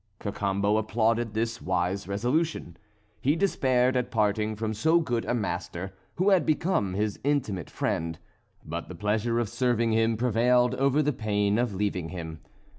Cacambo applauded this wise resolution. He despaired at parting from so good a master, who had become his intimate friend; but the pleasure of serving him prevailed over the pain of leaving him.